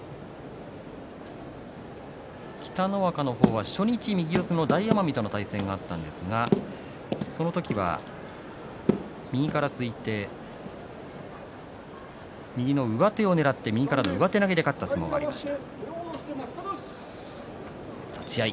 北の若の方は初日右四つの大奄美との対戦があったんですがその時は、右から突いて右の上手をねらって右からの上手投げで勝った相撲がありました。